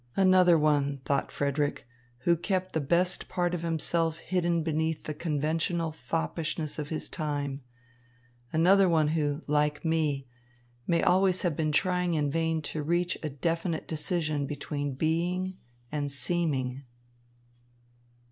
'" "Another one," thought Frederick, "who kept the best part of himself hidden beneath the conventional foppishness of his time; another one who, like me, may always have been trying in vain to reach a definite decision between being and seeming."